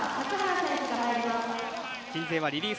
鎮西はリリーフ